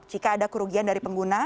jika ada kerugian dari pengguna